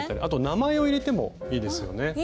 あと名前を入れてもいいですよね。